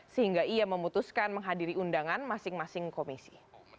sehingga ia memutuskan menghadiri undangan masing masing komisi